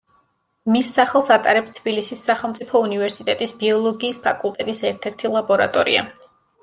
მის სახელს ატარებს თბილისის სახელმწიფო უნივერსიტეტის ბიოლოგიის ფაკულტეტის ერთ-ერთი ლაბორატორია.